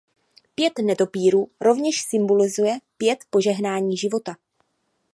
Pět netopýrů rovněž symbolizuje pět požehnání života.